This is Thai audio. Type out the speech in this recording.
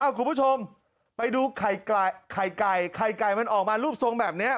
คุณผู้ชมไปดูไข่ไก่ไข่ไก่มันออกมารูปทรงแบบนี้